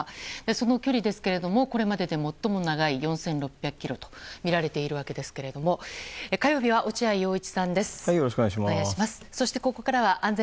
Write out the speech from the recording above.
その距離ですがこれまでで最も長井４６００ｋｍとみられているわけですけど火曜日は落合陽一さんです。